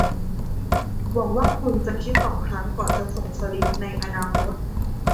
หวังว่าคุณจะคิดสองครั้งก่อนจะส่งสลิปในอนาคต